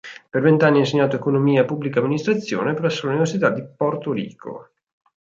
Per vent'anni ha insegnato Economia e Pubblica amministrazione presso l'Università di Porto Rico.